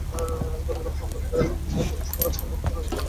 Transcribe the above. গতকাল সোমবার ভোরে শহরের ফতেমোহাম্মদপুর এলাকা থেকে তাঁকে গ্রেপ্তার করা হয়।